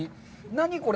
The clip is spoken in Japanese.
何これ。